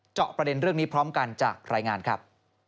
เจาะประเด็นเรื่องนี้พร้อมกันจากรายงานครับ